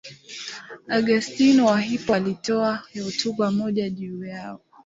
Augustino wa Hippo alitoa hotuba moja juu yao.